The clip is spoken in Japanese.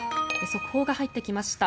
速報が入ってきました。